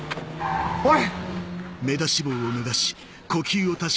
おい！